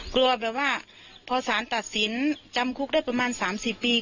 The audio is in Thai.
กลัวแบบว่าพอสารตัดสินจำคุกได้ประมาณ๓๐ปี